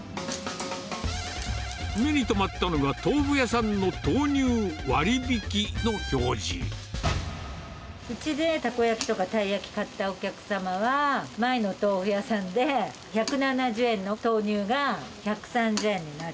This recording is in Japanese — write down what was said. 目に留まったのが、うちでたこ焼きとかたい焼き買ったお客様は、前のお豆腐屋さんで１７０円の豆乳が１３０円になる。